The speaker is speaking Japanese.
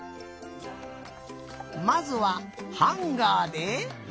まずはハンガーで。